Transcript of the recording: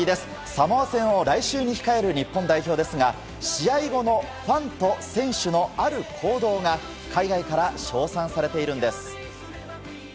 サモア戦を来週に控える日本代表ですが、試合後のファンと選手のある行動が、海外から称賛されているんです。